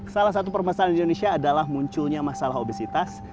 salah satu permasalahan di indonesia adalah munculnya masalah obesitas